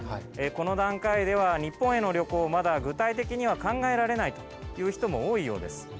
この段階では日本への旅行を、まだ具体的には考えられないという人も多いようです。